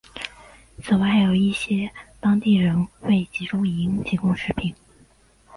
此外还有一些当地人为集中营提供食品。